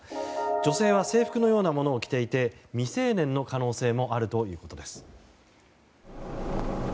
女性は制服のようなものを着ていて未成年の可能性もあるということです。